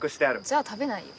じゃあ食べないよ。